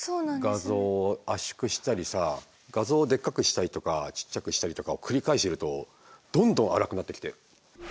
画像を圧縮したりさ画像をでっかくしたりとかちっちゃくしたりとかを繰り返してるとどんどん粗くなってきて。